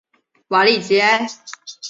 瓦利吉埃。